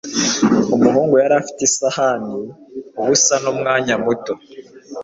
Umuhungu yari afite isahani ubusa mumwanya muto.